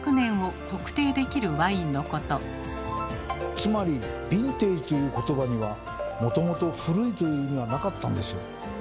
つまり「ヴィンテージ」という言葉にはもともと「古い」という意味はなかったんですよ。